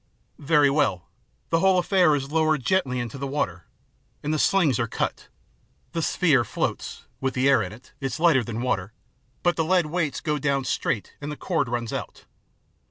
" Very well. The whole affair is lowered gently into the water, and the slings are cut. The sphere floats, with the air in it, it's lighter than water, but the lead weights go down straight and the cord runs out.